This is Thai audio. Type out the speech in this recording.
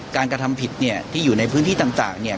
กระทำผิดเนี่ยที่อยู่ในพื้นที่ต่างเนี่ย